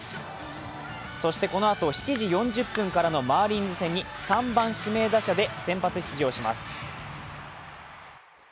そしてこのあと、７時４０分からのマーリンズ戦に３番・指名打者で先発出場します。